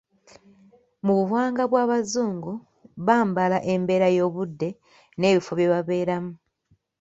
Mu buwangwa bw'Abazungu, bambala mbeera y'obudde n'ebifo bye babeeramu.